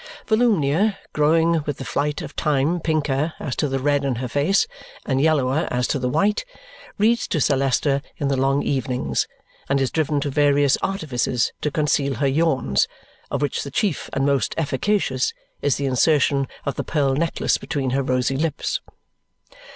Volumnia, growing with the flight of time pinker as to the red in her face, and yellower as to the white, reads to Sir Leicester in the long evenings and is driven to various artifices to conceal her yawns, of which the chief and most efficacious is the insertion of the pearl necklace between her rosy lips.